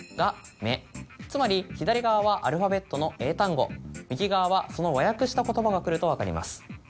つまり左側はアルファベットの英単語右側はその和訳した言葉がくると分かります。